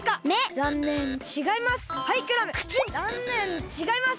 ざんねんちがいます。